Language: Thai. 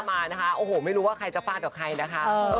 บท๕นะคะโอโห้ไม่รู้ว่าใครว่าจะฝากกับใครนะคะ